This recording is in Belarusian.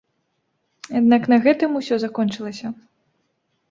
Аднак на гэтым усё закончылася.